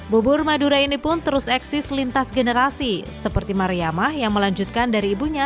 bubur madura ini pun terus eksis lintas generasi seperti mariamah yang melanjutkan dari ibunya